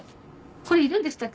これいるんでしたっけ？